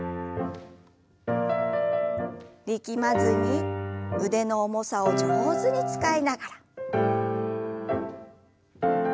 力まずに腕の重さを上手に使いながら。